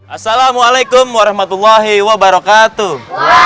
assalamualaikum warahmatullahi wabarakatuh